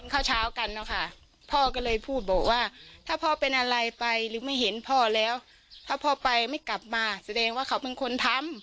เกิดเกี่ยวกับเพื่อนพ่อก็มีทางของมันค่ะ